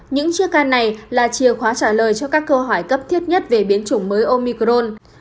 những chiếc can này là chìa khóa trả lời cho các câu hỏi cấp thiết nhất về biến chủng mới omicron